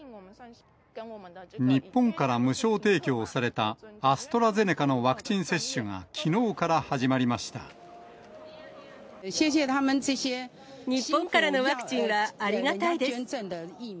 日本から無償提供されたアストラゼネカのワクチン接種がきのうか日本からのワクチンはありがたいです。